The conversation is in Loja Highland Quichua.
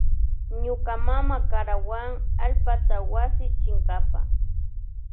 Ñuka mama karawan allpata wasi chinkapa.